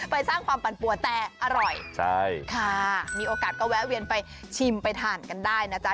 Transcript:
สร้างความปั่นปัวแต่อร่อยใช่ค่ะมีโอกาสก็แวะเวียนไปชิมไปทานกันได้นะจ๊ะ